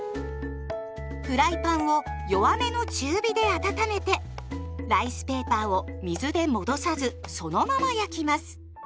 フライパンを弱めの中火で温めてライスペーパーを水で戻さずそのまま焼きます。